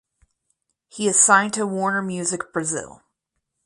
He is signed to Warner Music Brasil.